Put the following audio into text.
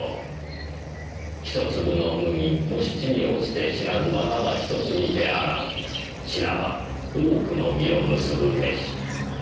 「一粒の麦もし地に落ちて死なずばただ一つにてあらん死なば多くの実を結ぶべし」